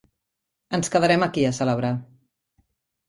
Ens quedarem aquí a celebrar.